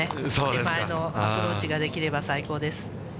手前のアプローチができれば最高です。